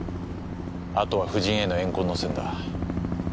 あとは夫人への怨恨の線だ。